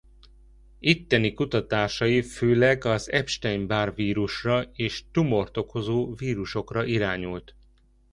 Itteni kutatásai főleg az Epstein-Barr vírusra és tumort okozó vírusokra irányult.